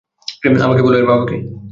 আমাকে বল, এর বাবা কে?